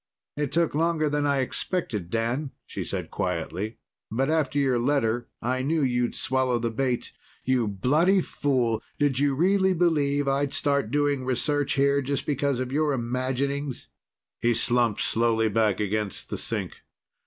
"It took longer than I expected, Dan," she said quietly. "But after your letter, I knew you'd swallow the bait. You bloody fool! Did you really believe I'd start doing research here just because of your imaginings?" He slumped slowly back against the sink.